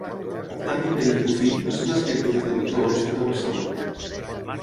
Octavi Pell i Cuffí va ser un escriptor i traductor nascut a Barcelona.